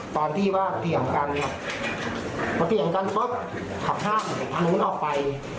ตอนที่ว่าเถียงกันพอเถียงกันปุ๊บขับข้ามทางนู้นออกไป